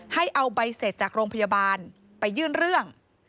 ให้เอาใบเสร็จจากโรงพยาบาลไปยื่นเรื่อง